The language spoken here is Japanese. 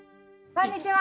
こんにちは。